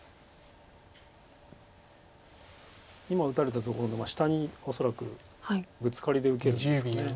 今打たれたところの下に恐らくブツカリで受けるんですか。